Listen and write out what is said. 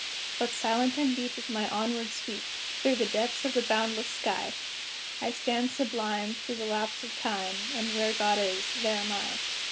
But silent and deep is my onward sweep, Through the depths of the boundless sky; I stand sublime, through the lapse of time, And where God is, there am I.